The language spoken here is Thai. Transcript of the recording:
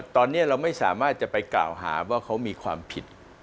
ตอนนี้เราไม่สามารถจะไปกล่าวหาว่าเขามีความผิด